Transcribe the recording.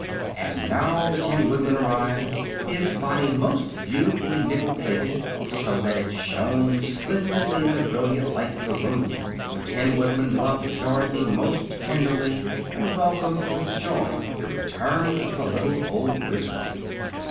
And now the Tin Woodman arrived, his body most beautifully nickle plated, so that it shone splendidly in the brilliant light of the room. The Tin Woodman loved Dorothy most tenderly, and welcomed with joy the return of the little old Wizard.